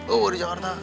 oh di jakarta